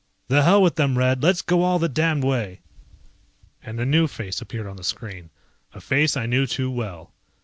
"The hell with them, Red, let's go all the damned way!" And a new face appeared on the screen. A face I knew too well.